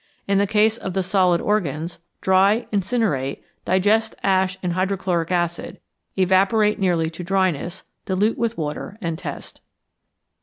In the case of the solid organs, dry, incinerate, digest ash in hydrochloric acid, evaporate nearly to dryness, dilute with water, and test.